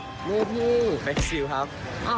หนูพี่เฟคซิวก่อนครับ